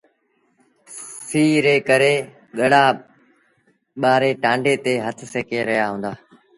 سيٚ ري ڪري ڳڙآ ٻآري ٽآنڊي تي هٿ سيڪي رهيآ هُݩدآ۔